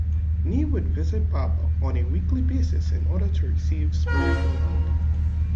Nee would visit Barber on a weekly basis in order to receive spiritual help.